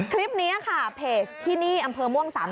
คลิปนี้ค่ะเพจที่นี่อำเภอม่วง๓๐